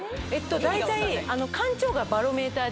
大体。